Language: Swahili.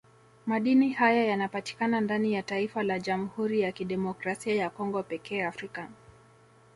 Madini haya yanapatika ndani ya taifa la Jamhuri ya Kidemokrasia ya Congo pekee Afrika